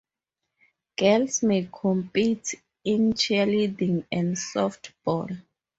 Girls may compete in cheerleading and softball.